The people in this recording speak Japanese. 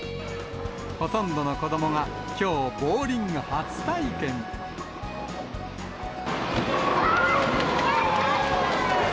ほとんどの子どもがきょう、やった！